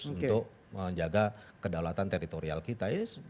untuk menjaga kedaulatan teritorial kita